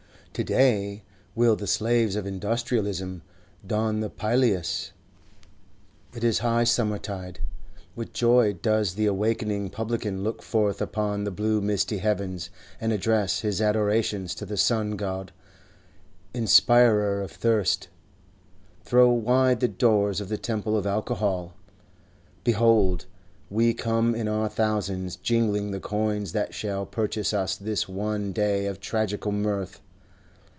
To day will the slaves of industrialism don the pileus. It is high summertide. With joy does the awaking publican look forth upon the blue misty heavens, and address his adorations to the Sun god, inspirer of thirst. Throw wide the doors of the temple of Alcohol! Behold, we come in our thousands, jingling the coins that shall purchase us this one day of tragical mirth.